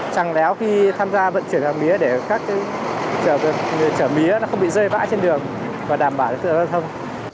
chẳng léo khi tham gia vận chuyển hàng mía để các trở mía không bị rơi vãi trên đường và đảm bảo tự giao thông